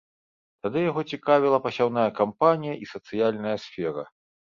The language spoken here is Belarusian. Тады яго цікавіла пасяўная кампанія і сацыяльная сфера.